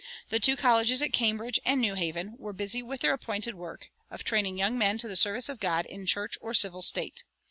The two colleges at Cambridge and New Haven were busy with their appointed work of training young men to the service of God "in church or civil state."